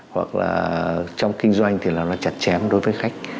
hoặc là trong kinh doanh thì nó chặt chém đối với khách